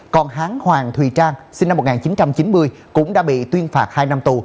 còn hán hoàng thùy trang sinh năm một nghìn chín trăm chín mươi cũng đã bị tuyên phạt hai năm tù